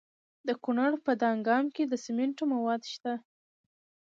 د کونړ په دانګام کې د سمنټو مواد شته.